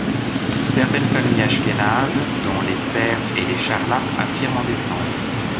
Certaines familles ashkénazes, dont les Ser et les Charlap, affirment en descendre.